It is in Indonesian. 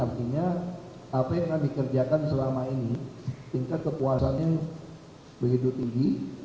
artinya apa yang kami kerjakan selama ini tingkat kepuasannya begitu tinggi